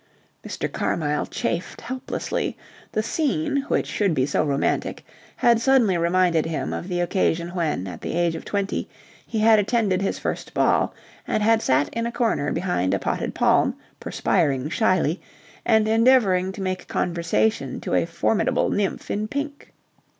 Mr. Carmyle chafed helplessly. The scene, which should be so romantic, had suddenly reminded him of the occasion when, at the age of twenty, he had attended his first ball and had sat in a corner behind a potted palm perspiring shyly and endeavouring to make conversation to a formidable nymph in pink.